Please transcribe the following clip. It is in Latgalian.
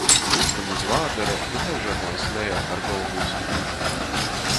Gulstam iz vādara i laižamēs lejā ar golvu iz prīšku.